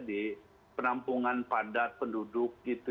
di penampungan padat penduduk